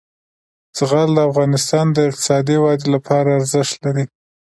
زغال د افغانستان د اقتصادي ودې لپاره ارزښت لري.